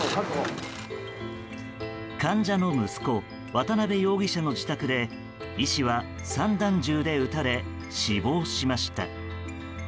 患者の息子渡辺容疑者の自宅で医師は散弾銃で撃たれ死亡しました。